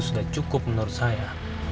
sudah cukup menurut saya